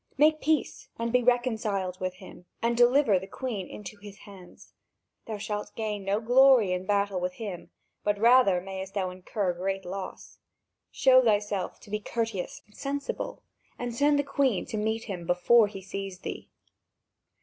Make peace and be reconciled with him, and deliver the Queen into his hands. Thou shalt gain no glory in battle with him, but rather mayst thou incur great loss. Show thyself to be courteous and sensible, and send the Queen to meet him before he sees thee.